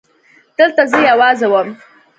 دلته زه يوازې وم.